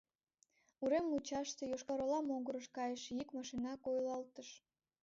Урем мучаште Йошкар-Ола могырыш кайыше ик машина койылалтыш.